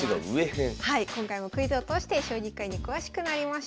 今回もクイズを通して将棋界に詳しくなりましょう。